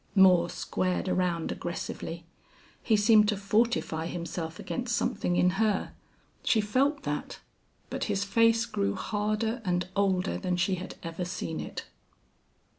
Moore squared around aggressively. He seemed to fortify himself against something in her. She felt that. But his face grew harder and older than she had ever seen it.